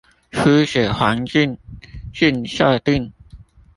初始環境境設定